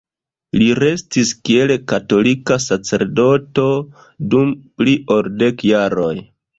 Li restis kiel katolika sacerdoto dum pli ol dek jaroj.